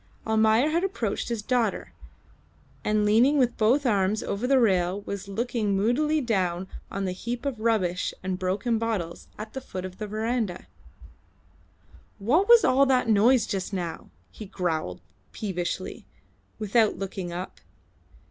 Almayer had approached his daughter, and leaning with both arms over the rail, was looking moodily down on the heap of rubbish and broken bottles at the foot of the verandah. "What was all that noise just now?" he growled peevishly, without looking up.